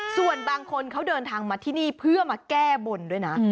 ส่วนบางคนเขาเดินทางมาที่นี่เพื่อมาแก้บนด้วยนะ